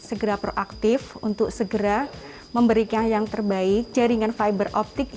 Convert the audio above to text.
kita bergerak cepat dan segera proaktif untuk segera memberikan yang terbaik jaringan fiber optik